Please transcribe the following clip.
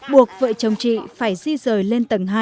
buộc vợ chồng chị phải di rời lên tầng hai